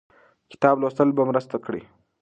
کتاب لوستل به مرسته وکړي.